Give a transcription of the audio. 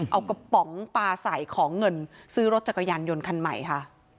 เอากระป๋องปลาใส่ของเงินซื้อรถจักรยานยนต์คันใหม่ค่ะ